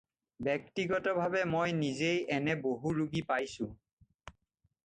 ব্যক্তিগতভাৱে মই নিজেই এনে বহু ৰোগী পাইছোঁ।